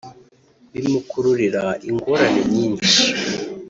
bimukururira ingorane nyinshi